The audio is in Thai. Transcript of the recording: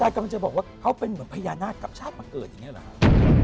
กำลังจะบอกว่าเขาเป็นเหมือนพญานาคกับชาติมาเกิดอย่างนี้เหรอครับ